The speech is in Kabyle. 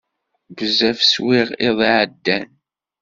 Bezzaf swiɣ iḍ-a iεeddan.